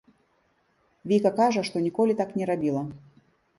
Віка кажа, што ніколі так не рабіла.